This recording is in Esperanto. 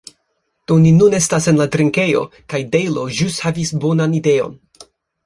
Do ni nun estas en la drinkejo, kaj Dejlo ĵus havis bonan ideon.